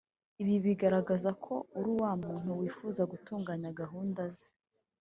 Ibi bigaragaza ko uri wa muntu wifuza gutunganya gahunda ze